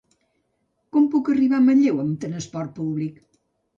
Com puc arribar a Manlleu amb trasport públic?